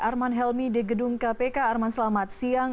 arman helmi di gedung kpk arman selamat siang